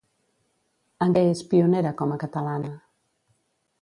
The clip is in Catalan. En què és pionera com a catalana?